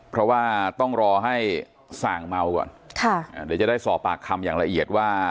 เพราะว่าต้องรอให้ส่างเมาก่อนค่ะอ่าเดี๋ยวจะได้สอบปากคำอย่างละเอียดว่า